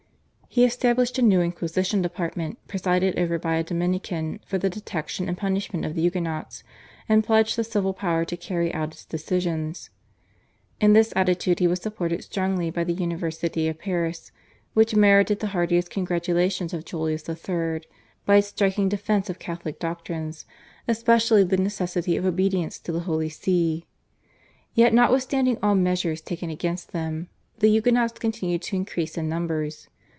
He established a new inquisition department presided over by a Dominican for the detection and punishment of the Huguenots, and pledged the civil power to carry out its decisions. In this attitude he was supported strongly by the University of Paris, which merited the heartiest congratulations of Julius III. by its striking defence of Catholic doctrines, especially the necessity of obedience to the Holy See. Yet notwithstanding all measures taken against them the Huguenots continued to increase in numbers.